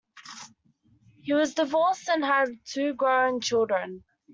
He was divorced and had two grown children.